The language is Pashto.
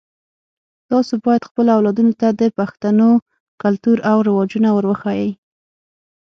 تاسو باید خپلو اولادونو ته د پښتنو کلتور او رواجونه ور وښایئ